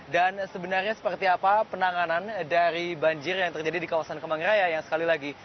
dan sebenarnya seperti apa penanganan dari banjir yang terjadi di kawasan kemangiraya yang sekali lagi